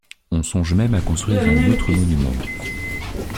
On songe même à construire un autre monument…